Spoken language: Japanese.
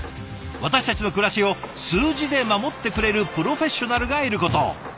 私たちの暮らしを数字で守ってくれるプロフェッショナルがいることを。